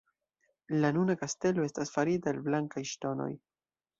La nuna kastelo estas farita el blankaj ŝtonoj.